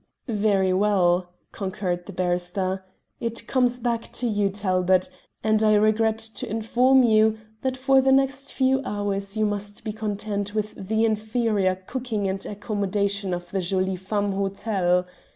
"Very well," concurred the barrister, "it comes back to you, Talbot, and I regret to inform you that for the next few hours you must be content with the inferior cooking and accommodation of the Jolies Femmes Hotel.